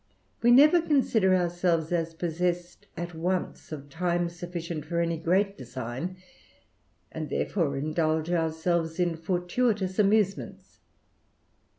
We never consider ourselves as possessed at once of time sufficient for any great design, and therefore indulge ourselves in fortuitous amusements.